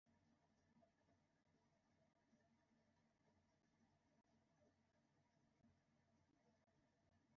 তারা ভিআইপি সুযোগসুবিধা, নারী ও বিনামূল্যে জিনিসপত্র পেতে চেষ্টা করবে।